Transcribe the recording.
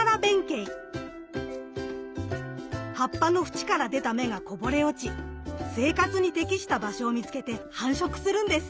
葉っぱの縁から出た芽がこぼれ落ち生活に適した場所を見つけて繁殖するんです。